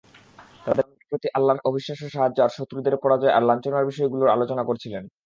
তাদের প্রতি আল্লাহর অবিশ্বাস্য সাহায্য আর শত্রুদের পরাজয় আর লাঞ্ছনার বিষয়গুলোরও আলোচনা করছিলেন।